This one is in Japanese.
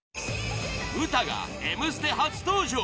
ウタが「Ｍステ」初登場！